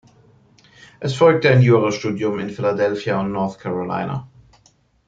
Es folgte ein Jurastudium in Philadelphia und North Carolina.